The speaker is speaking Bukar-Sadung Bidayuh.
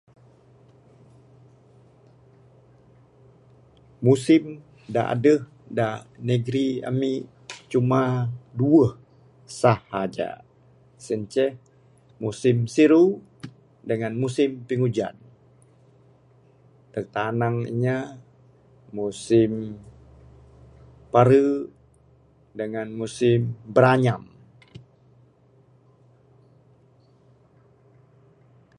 Musim da adeh da negeri ami cuma duweh sahaja sien ceh musim siru dangan musim pingujan. Dog tanang inya musim pare dangan musim biranyam.